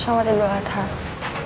assalamu'alaikum warahmatullahi wabarakatuh